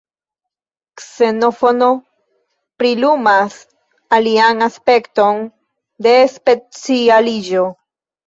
Ksenofono prilumas alian aspekton de specialiĝo.